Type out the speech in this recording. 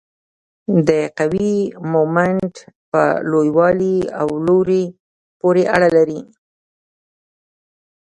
د قوې مومنت په لوی والي او لوري پورې اړه لري.